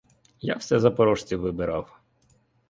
Я все запорожців вибирав.